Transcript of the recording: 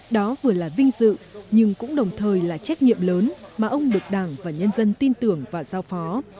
đó vừa là vinh dự nhưng cũng đồng thời là trách nhiệm lớn mà ông được đảng và nhân dân tin tưởng và giao phó